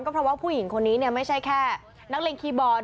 เพราะว่าผู้หญิงคนนี้ไม่ใช่แค่นักเลงคีย์บอล